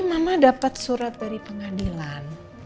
mama dapat surat dari pengadilan